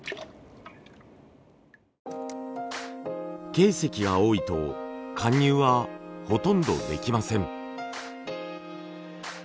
ケイ石が多いと貫入はほとんどできません。